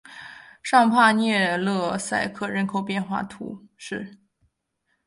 尚帕涅勒塞克人口变化图示